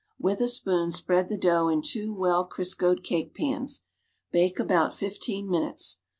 With a spoon spread the dough in two well Criscoed cake pans. Bake about fifteen minutes.